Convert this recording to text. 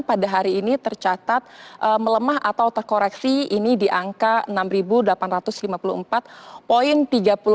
pada hari ini tercatat melemah atau terkoreksi ini di angka enam delapan ratus lima puluh empat tiga puluh enam